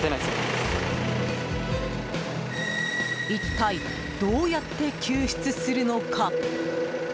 一体どうやって救出するのか？